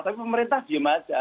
tapi pemerintah diem aja